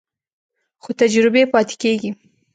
خو تجربې پاتې کېږي.